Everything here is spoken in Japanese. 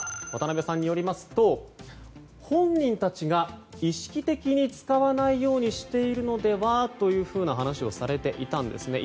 渡辺さんによりますと本人たちが意識的に使わないようにしているのではという話をされていたんです。